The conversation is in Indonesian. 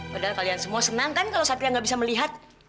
padahal kalian semua senang kan kalau satria nggak bisa melihat